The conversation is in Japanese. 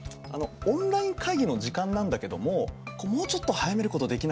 オンライン会議の時間なんだけどももうちょっと早めることできないかな？